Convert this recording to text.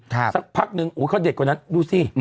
พางเด็กมาครุ่นอักหนึ่งอุ้ยเขาเด็ดกว่านั้นดูสิ